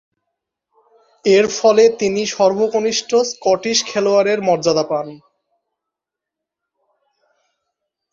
এরফলে তিনি সর্বকনিষ্ঠ স্কটিশ খেলোয়াড়ের মর্যাদা পান।